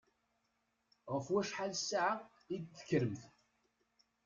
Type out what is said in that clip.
Ɣef wacḥal ssaɛa i d-tekkremt?